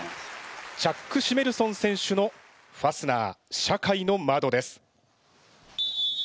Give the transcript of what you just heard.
チャック・シメルソン選手の「ファスナー社会の窓」です。